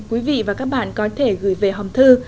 quý vị và các bạn có thể gửi về hòm thư